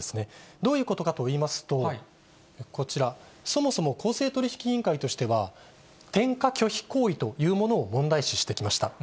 どういうことかといいますと、こちら、そもそも公正取引委員会としては、転嫁拒否行為というものを問題視してきました。